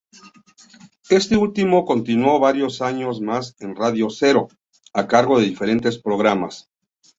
Este último continuó varios años más en Radio Zero, a cargo de diferentes programas.